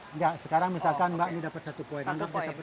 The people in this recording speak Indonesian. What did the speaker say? enggak sekarang misalkan mbak nu dapat satu poin